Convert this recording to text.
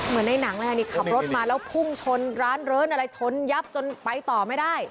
เหมือนในหนังเลยค่ะนี่ขับรถมาแล้วพุ่งชนร้านเริ้นอะไรชนยับจนไปต่อไม่ได้